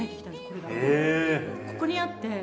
ここにあって。